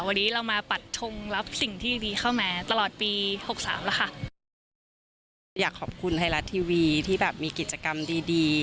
วันนี้เรามาปัดชงรับสิ่งที่ดีดีเข้ามาตลอดปีหกสามแล้วค่ะก็อยากขอบคุณไทยรัฐทีวีที่แบบมีกิจกรรมดีดี